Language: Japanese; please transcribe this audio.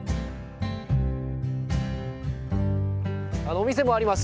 お店もあります。